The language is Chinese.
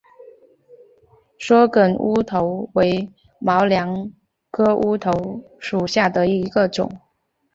缩梗乌头为毛茛科乌头属下的一个种。